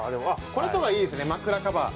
これとかいいですね枕カバー。